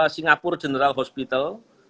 singapura general hospital